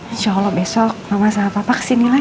insya allah besok sama papa kesini lagi